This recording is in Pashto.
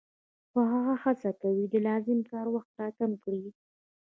خو هغه هڅه کوي د لازم کار وخت را کم کړي